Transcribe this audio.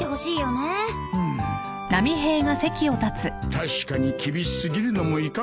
確かに厳し過ぎるのもいかんが。